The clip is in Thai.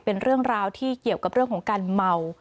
เป็นเรื่องราวที่เกี่ยวกับเรื่องของการเมา